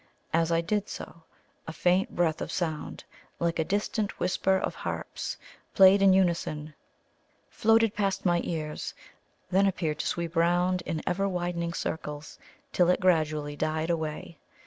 As I did so, a faint breath of sound, like a distant whisper of harps played in unison, floated past my ears, then appeared to sweep round in ever widening circles, till it gradually died away.